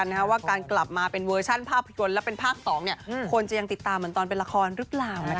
เหมือนตอนเป็นละครรึเปล่า